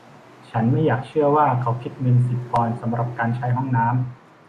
ฉันไม่อยากเชื่อว่าเขาคิดเงินสิบปอนด์สำหรับการใช้ห้องน้ำ !